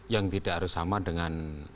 yang tidak harus sama dengan